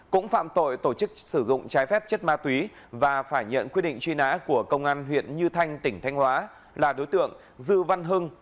cũng phạm tội tổ chức sử dụng trái phép chất ma túy và phải nhận quyết định truy nã của công an huyện như thanh tỉnh thanh hóa là đối tượng dư văn hưng